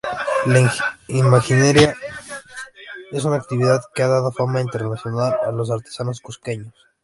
La imaginería es una actividad que ha dado fama internacional a los artesanos cusqueños.